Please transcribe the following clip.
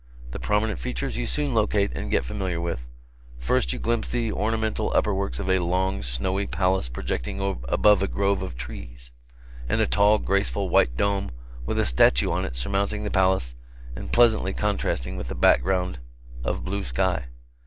The prominent features you soon locate and get familiar with; first you glimpse the ornamental upper works of a long, snowy palace projecting above a grove of trees, and a tall, graceful white dome with a statue on it surmounting the palace and pleasantly contrasting with the background of blue sky.